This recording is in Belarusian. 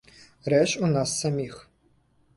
Рэч у нас саміх.